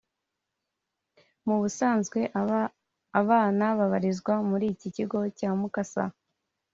Mu busanzwe abana babarizwa muri iki kigo cya Mukasa